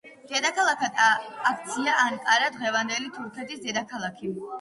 დედაქალაქად აქცია ანკარა, დღევანდელი თურქეთის დედაქალაქი.